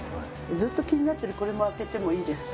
ずっと気になっているこれも開けてもいいですか？